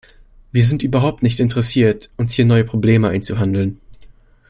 Wir sind überhaupt nicht interessiert, uns hier neue Probleme einzuhandeln.